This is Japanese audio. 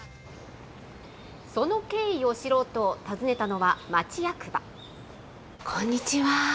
その経緯を知ろうと、訪ねたのは、町役場。